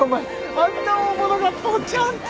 あんな大物がポチャンって。